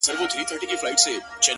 • گراني ټوله شپه مي ـ